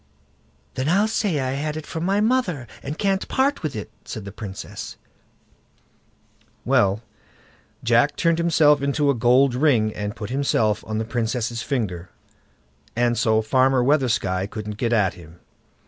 "Then I'll say I had it from my mother, and can't part with it", said the Princess. Well, Jack turned himself into a gold ring, and put himself on the Princess' finger, and so Farmer Weathersky couldn't get at him.